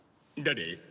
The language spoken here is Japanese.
誰？